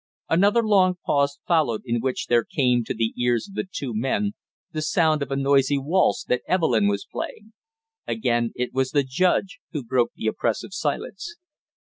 Another long pause followed in which there came to the ears of the two men the sound of a noisy waltz that Evelyn was playing. Again it was the judge who broke the oppressive silence.